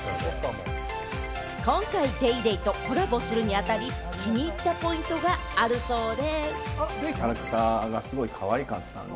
今回『ＤａｙＤａｙ．』とコラボするにあたり、気に入ったポイントがあるそうで。